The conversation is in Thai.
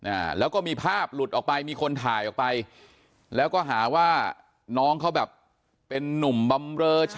อ่าแล้วก็มีภาพหลุดออกไปมีคนถ่ายออกไปแล้วก็หาว่าน้องเขาแบบเป็นนุ่มบำเรอ